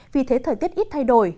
vì thế thời tiết ít thay đổi